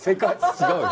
違うよ。